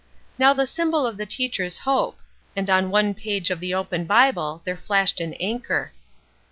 "Now the symbol of the teacher's hope," and on one page of the open Bible there flashed an anchor.